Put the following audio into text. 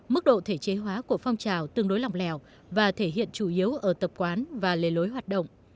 mức độ thể chế hóa của phong trào tương đối lòng lèo và thể hiện chủ yếu ở tập quán và lề lối hoạt động